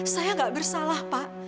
saya banyak berasing pak